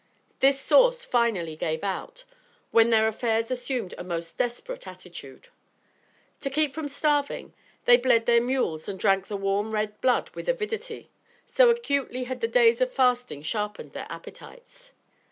This source finally gave out, when their affairs assumed a most desperate attitude. To keep from starving, they bled their mules and drank the warm red blood with avidity, so acutely had the days of fasting sharpened their appetites.